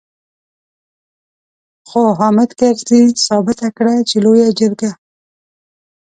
خو حامد کرزي ثابته کړه چې لويه جرګه.